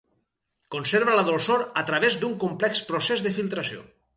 Conserva la dolçor a través d'un complex procés de filtració.